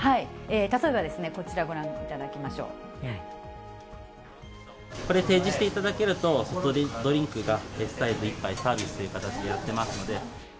例えばですね、こちらご覧いこれ提示していただけると、ドリンクがＳサイズ１杯サービスという形でやってますので。